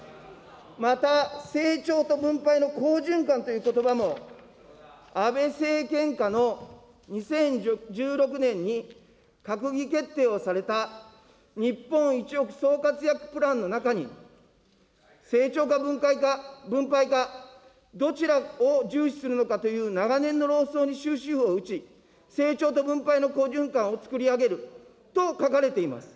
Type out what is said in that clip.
また成長と分配の好循環ということばも、安倍政権下の２０１６年に、閣議決定をされた、ニッポン一億総活躍プランの中に、成長か分配か、どちらを重視するのかという長年の論争に終止符を打ち、成長と分配の好循環をつくり上げると書かれています。